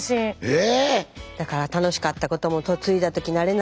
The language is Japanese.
え！